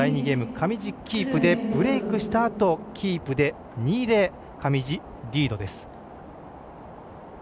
上地、キープでブレークしたあとキープで２−０上地がリードです。